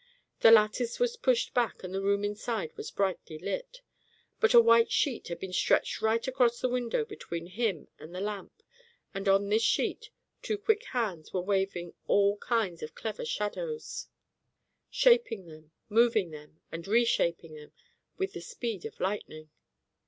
The lattice was pushed back and the room inside was brightly lit. But a white sheet had been stretched right across the window between him and the lamp. And on this sheet two quick hands were waving all kinds of clever shadows, shaping them, moving them and reshaping them with the speed of lightning.